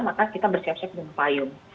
maka kita bersiap siap dengan payung